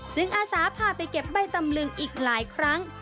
อาสาพาไปเก็บใบตำลึงอีกหลายครั้ง